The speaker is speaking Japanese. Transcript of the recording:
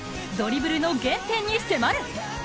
ドリブルの原点に迫る。